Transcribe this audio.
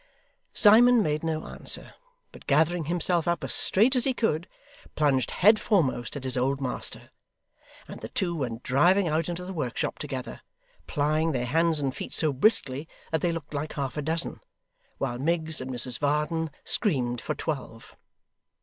Simon made no answer, but gathering himself up as straight as he could, plunged head foremost at his old master, and the two went driving out into the workshop together, plying their hands and feet so briskly that they looked like half a dozen, while Miggs and Mrs Varden screamed for twelve.